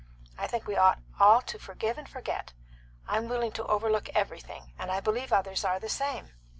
I think we ought all to forgive and forget. I'm willing to overlook everything, and I believe others are the same."